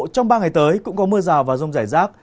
trong ba ngày tới cũng có mưa rào và rông rải rác